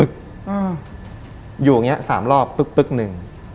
อยู่อย่างนี้สามรอบปึ๊บหนึ่ง